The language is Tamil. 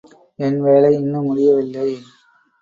என் வேலை இன்னும் முடியவில்லை.